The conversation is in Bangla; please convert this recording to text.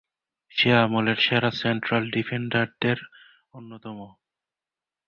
সে আমলের সেরা সেন্ট্রাল ডিফেন্ডার-দের অন্যতম।